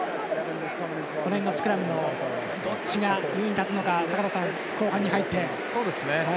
この辺のスクラムもどちらが優位に立つのか坂田さん後半に入って。